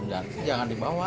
itu jam jam sih jangan dibawa